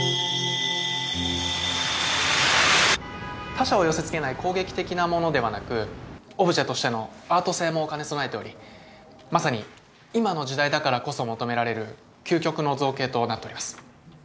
他者を寄せ付けない攻撃的なものではなくオブジェとしてのアート性も兼ね備えておりまさに今の時代だからこそ求められる究極の造形となっております。